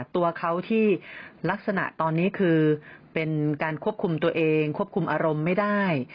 ตัวเขาที่ลักษณะตอนนี้คือเป็นการควบคุมตัวเองควบคุมอารมณ์ไม่ได้